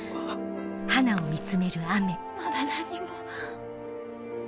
まだ何にも。